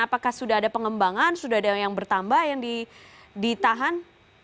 apakah sudah ada pengembangan sudah ada yang bertambah yang ditahan